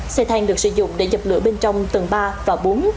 xe thang được sử dụng để dập lửa bên trong tầng ba và bốn